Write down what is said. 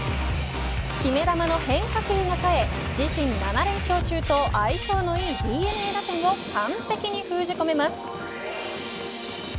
決め球の変化球がさえ自身７連勝中と相性のいいＤｅＮＡ打線を完璧に封じ込めます。